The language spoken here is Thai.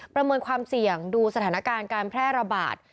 ประเมินความเสี่ยงดูสถานการณ์การแพร่ระบาด